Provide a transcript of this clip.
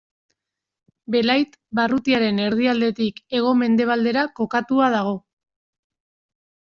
Belait barrutiaren erdialdetik hego-mendebaldera kokatua dago.